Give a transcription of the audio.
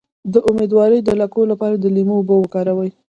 د امیدوارۍ د لکو لپاره د لیمو اوبه وکاروئ